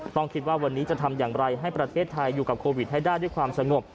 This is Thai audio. ต้องคิดว่าวันนี้จะทำอย่างไรให้ประเทศไทยอยู่กับโควิดให้ได้ด้วยความสงบ